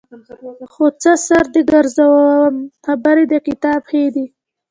خو څه سر دې ګرځوم خبرې د کتاب ښې دي.